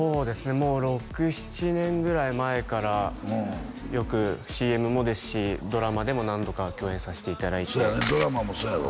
もう６７年ぐらい前からよくＣＭもですしドラマでも何度か共演させていただいてドラマもそうやろ？